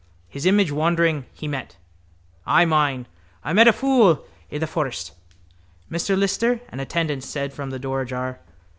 His image, wandering, he met. I mine. I met a fool i'the forest. —Mr Lyster, an attendant said from the door ajar.